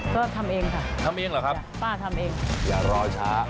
ก็ทำเองครับต้องป้าทำเองอย่ารอช้า